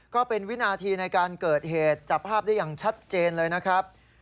ก็เป็นวินาทีในการเกิดเหตุจับภาพได้อย่างชัดเจนเลยนะครับ